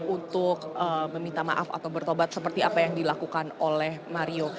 untuk meminta maaf atau bertobat seperti apa yang dilakukan oleh mario